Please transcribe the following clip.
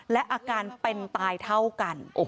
และอาการเป็นตายเท่ากัน